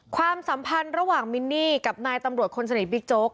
ความสัมพันธ์ระหว่างมินนี่กับนายตำรวจคนสนิทบิ๊กโจ๊ก